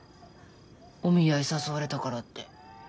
お見合い誘われたからって。